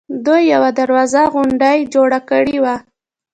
دوی یوه دروازه غوندې جوړه کړې وه.